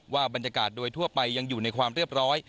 บรรยากาศโดยทั่วไปยังอยู่ในความเรียบร้อย